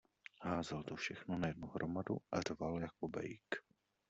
Házel to všechno na jednu hromadu a řval jako bejk.